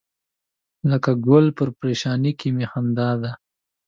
لکه ګل په پرېشانۍ کې می خندا ده.